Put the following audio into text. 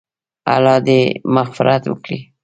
الله دې مغفرت وکړي -